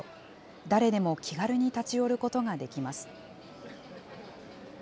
誰でも気軽に立ち寄ることができます。